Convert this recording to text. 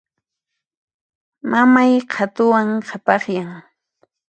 Mamay qhatuwan qhapaqyan.